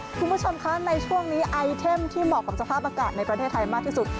คุณผู้ชมคะในช่วงนี้ไอเทมที่เหมาะกับสภาพอากาศในประเทศไทยมากที่สุด